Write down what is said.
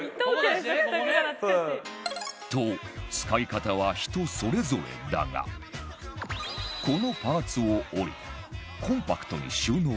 と使い方は人それぞれだがこのパーツを折りコンパクトに収納する人も